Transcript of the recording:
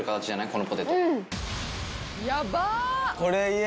このポテト。